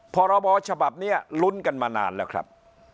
พรบฉบับนี้ลุ้นกันมานานแล้วครับ